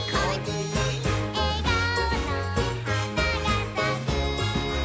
「えがおのはながさく」